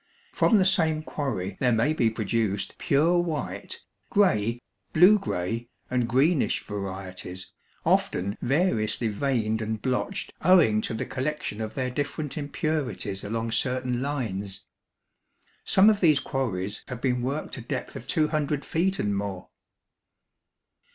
From the same quarry there may be produced pure white, gray, blue gray, and greenish varieties, often variously veined and blotched owing to the collection of their different impurities along certain lines. Some of these quarries have been worked a depth of two hundred feet and more.